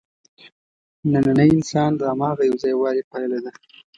نننی انسان د هماغه یوځایوالي پایله ده.